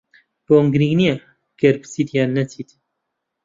بۆم گرنگ نییە ئەگەر بچیت یان نەچیت.